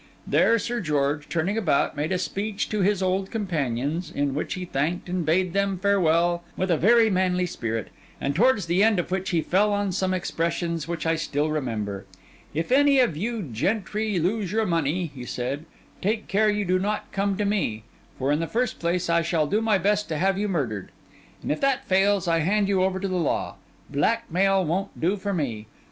There, Sir George, turning about, made a speech to his old companions, in which he thanked and bade them farewell with a very manly spirit; and towards the end of which he fell on some expressions which I still remember. 'If any of you gentry lose your money,' he said, 'take care you do not come to me; for in the first place, I shall do my best to have you murdered; and if that fails, I hand you over to the law. Blackmail won't do for me.